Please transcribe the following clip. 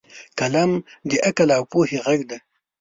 قلم د عقل او پوهې غږ دی